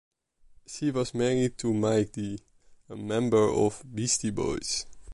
She was married to Mike D, a member of Beastie Boys.